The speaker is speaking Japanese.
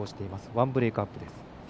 １ブレークアップです。